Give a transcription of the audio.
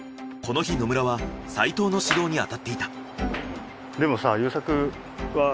この日野村は斉藤の指導にあたっていた。